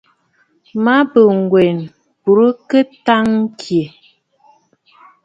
Màa bə nlwèn bǔ kɨ təŋ ɨkɛʼɛ?